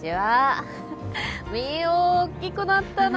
美桜おっきくなったな！